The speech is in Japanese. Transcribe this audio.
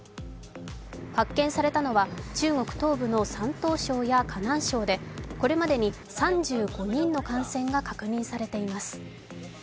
発見されたのは中国東部の山東省や河南省でこれまでに３５人の感染が確認されています。